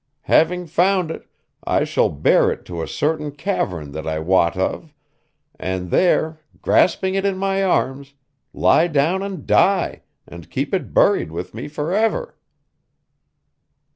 Having found it, I shall bear it to a certain cavern that I wot of, and there, grasping it in my arms, lie down and die, and keep it buried with me forever.